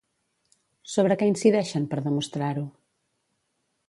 Sobre què incideixen per demostrar-ho?